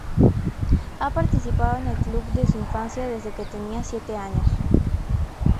Ha participado con el club de su infancia desde que tenía siete años.